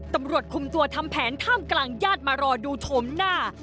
ตำรวจคุมตัวทำแผนท่ามกลางญาติมารอดูโฉมหน้า